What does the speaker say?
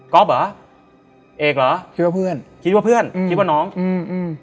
เหรอเอกเหรอคิดว่าเพื่อนคิดว่าเพื่อนอืมคิดว่าน้องอืมอืม